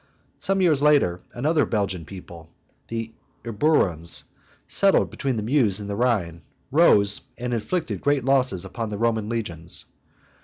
Some years later another Belgian peoplet, the Eburons, settled between the Meuse and the Rhine, rose and inflicted great losses upon the Roman legions.